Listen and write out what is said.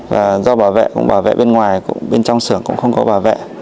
và do bảo vệ cũng bảo vệ bên ngoài bên trong xưởng cũng không có bảo vệ